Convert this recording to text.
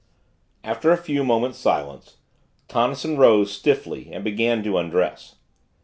After a few moments' silence, Tonnison rose, stiffly, and began to undress.